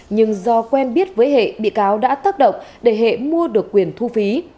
nhưng do quen biết với hệ bị cáo đã tác động để hệ mua được quyền thu phí